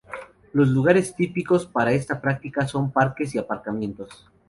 Los lugares típicos para esta práctica son parques y aparcamientos.